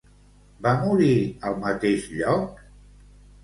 Va morir al mateix lloc?